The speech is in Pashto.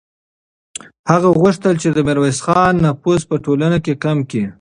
هغه غوښتل چې د میرویس خان نفوذ په ټولنه کې کم کړي.